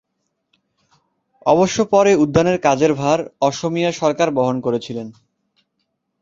অবশ্য পরে উদ্যানের কাজের ভার অসমীয়া সরকার বহন করেছিলেন।